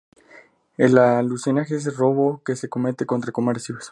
El alunizaje es un robo que se comete contra comercios.